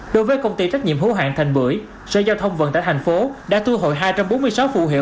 đối với công ty trách nhiệm hữu hạn thành bưởi sở giao thông vận tải tp hcm đã thu hồi hai trăm bốn mươi sáu phụ hiệu